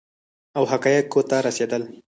او حقایقو ته رسیدل